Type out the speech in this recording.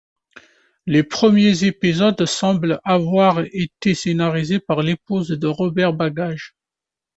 Les premiers épisodes semblent avoir été scénarisés par l'épouse de Robert Bagage.